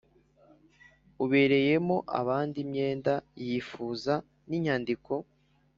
Ubereyemo abandi imyenda yifuza n inyandiko